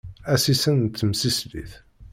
Asissen n temsislit.